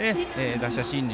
打者心理